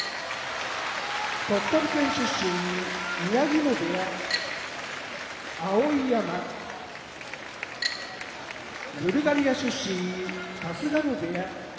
鳥取県出身宮城野部屋碧山ブルガリア出身春日野部屋